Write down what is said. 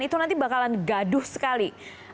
itu nanti bakalan gaduh sekali dua ribu sembilan belas